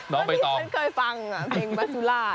เมื่อที่ฉันเคยฟังเพลงมัสจุราช